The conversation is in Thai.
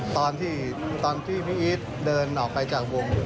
ตอนที่พี่อีทเดินออกไปจากวง